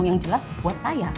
yang jelas buat saya